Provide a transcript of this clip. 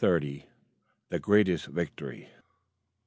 THE GREATEST VICTORY.